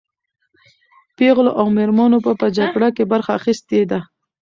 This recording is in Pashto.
پېغلو او مېرمنو په جګړه کې برخه اخیستې ده.